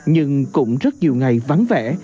nhưng cũng rất nhiều ngày vắng vẻ